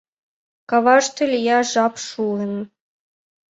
Каваште лияш жап шуын!